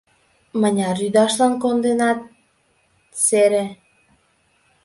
Мыняр ӱдашлан конденат — сере.